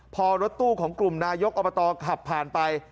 พอรถตู้ของกลุ่มนายกอบตขับผ่านไป